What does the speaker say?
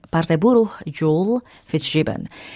partai buruh jules fitzgibbon